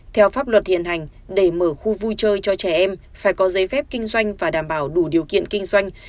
theo pháp luật hiện hành để mở khu vui chơi cho trẻ em phải có giấy phép kinh doanh và đảm bảo đủ điều kiện kinh doanh